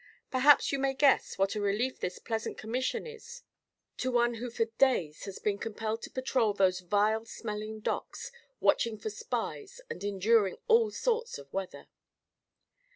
Perhaps you may guess what a relief this pleasant commission is to one who for days has been compelled to patrol those vile smelling docks, watching for spies and enduring all sorts of weather."